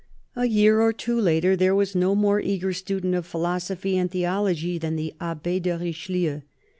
A year or two later, there was no more eager student of philosophy and theology than the Abbe de Richelieu.